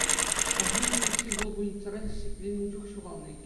Арҫыннӑн укҫи вӑл пульницӑра сипленнӗ чух ҫухалнӑ иккен.